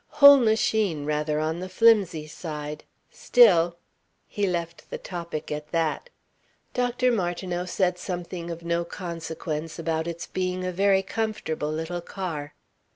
Whole machine rather on the flimsy side. Still " He left the topic at that. Dr. Martineau said something of no consequence about its being a very comfortable little car.